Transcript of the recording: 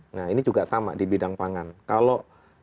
nah ini juga sama di bidang pangan